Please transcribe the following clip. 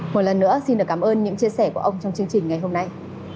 một lần nữa xin được cảm ơn những chia sẻ của ông trong chương trình ngày hôm nay